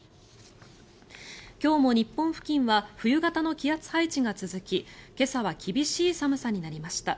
今日も日本付近は冬型の気圧配置が続き今朝は厳しい寒さになりました。